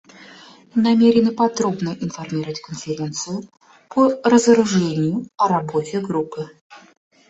Намерены подробно информировать Конференцию по разоружению о работе группы.